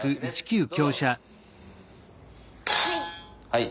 はい。